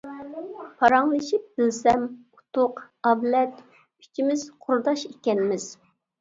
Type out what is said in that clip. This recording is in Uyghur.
پاراڭلىشىپ بىلسەم ئۇتۇق، ئابلەت ئۈچىمىز قۇرداش ئىكەنمىز.